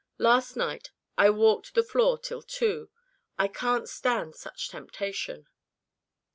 Last night I walked the floor till two. I can't stand such temptation."